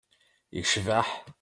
Icbeḥ!